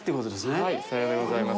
はい、さようでございます。